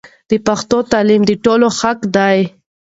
د پښتو تعلیم د ټولو حق دی.